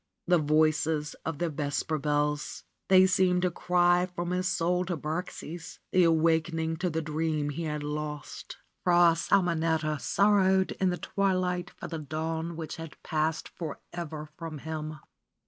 The voices of the vesper bells ! They seemed to be a cry from his soul to Birksie's, the awakening to the dream he had lost. Fra Simonetta sorrowed in the twilight for the dawn which had passed forever from him.